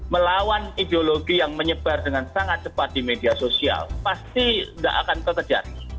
melawan ideologi yang menyebar dengan sangat cepat di media sosial pasti tidak akan terjadi